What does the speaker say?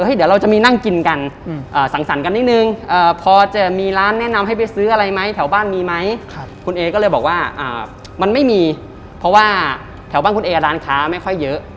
เดี๋ยวเราจะมีนั่งกินกันสั่งสรรค์กันนิดนึงพอจะมีร้านแนะนำให้ไปซื้ออะไรไหมแถวบ้านมีไหมคุณเอก็เลยบอกว่ามันไม่มีเพราะว่าแถวบ้านคุณเอร้านค้าไม่ค่อยเยอะ